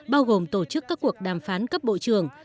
bao gồm tổ chức các cuộc đàm phán cấp bộ trưởng